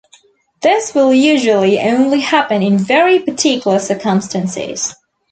This will usually only happen in very particular circumstances.